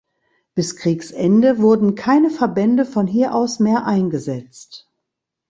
Bis Kriegsende wurden keine Verbände von hier aus mehr eingesetzt.